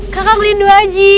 kakang lindu aji